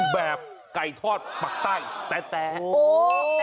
แบบไก่ทอดปักใต้แต่โอ้